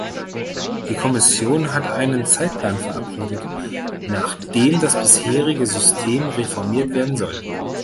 Die Kommission hat einen Zeitplan verabredet, nach dem das bisherige System reformiert werden soll.